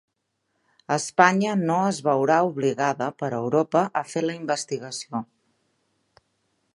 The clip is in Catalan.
Espanya no es veurà obligada per Europa a fer la investigació